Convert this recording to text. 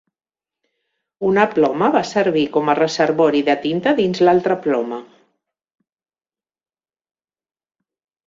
Una ploma va servir com a reservori de tinta dins l'altra ploma.